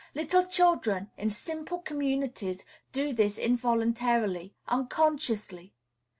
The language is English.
Little children, in simple communities, do this involuntarily, unconsciously.